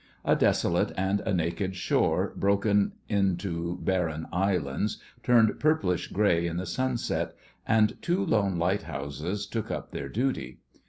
A desolate and a naked shore, broken into barren Islands, turned purplish grey in the sunset, and two lone lighthouses took up their duty.